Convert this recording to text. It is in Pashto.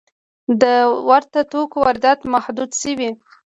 د ورته توکو واردات محدود شوي؟